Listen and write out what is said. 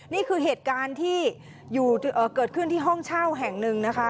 นี่คือเหตุการณ์ที่เกิดขึ้นที่ห้องเช่าแห่งหนึ่งนะคะ